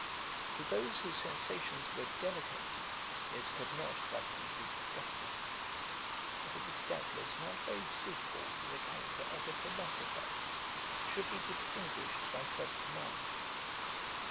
To those whose sensations were delicate, this could not but be disgusting; and it was doubtless not very suitable to the character of a philosopher, who should be distinguished by self command.